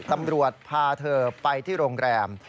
ตำรวจพาเธอไปที่โรงแรม